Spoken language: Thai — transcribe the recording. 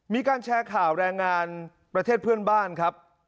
มีการแชร์ข่าวแรงงานประเทศเพื่อนบ้านครับ